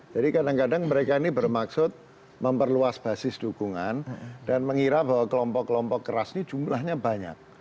jadi kadang kadang mereka ini bermaksud memperluas basis dukungan dan mengira bahwa kelompok kelompok keras ini jumlahnya banyak